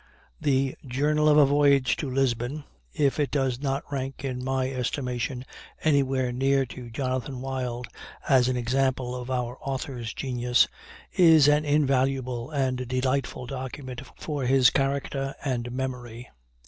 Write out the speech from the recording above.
The Journal of a Voyage to Lisbon, if it does not rank in my estimation anywhere near to Jonathan Wild as an example of our author's genius, is an invaluable and delightful document for his character and memory.